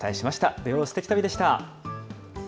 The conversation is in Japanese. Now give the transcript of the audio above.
土曜すてき旅でした。